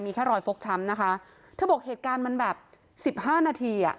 มีแค่รอยฟกช้ำนะคะเธอบอกเหตุการณ์มันแบบสิบห้านาทีอ่ะ